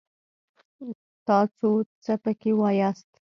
تاڅو څه پکې واياست!